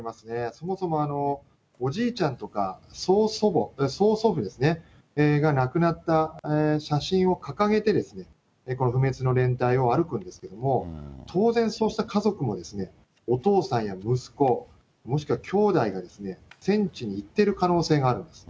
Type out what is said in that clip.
そもそもおじいちゃんとか、曽祖母、曽祖父ですね、が、亡くなった写真を掲げて、この不滅の連隊を歩くんですけれども、当然、そうした家族も、お父さんや息子、もしくは兄弟が戦地に行ってる可能性があるんです。